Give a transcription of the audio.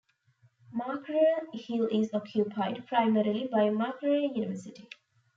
Makerere Hill is occupied primarily by Makerere University.